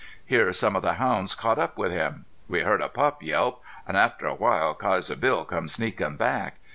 Here some of the hounds caught up with him. We heard a pup yelp, an' after a while Kaiser Bill come sneakin' back.